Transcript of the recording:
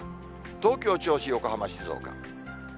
東京、銚子、横浜、静岡。